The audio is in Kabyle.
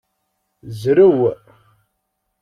Zrew.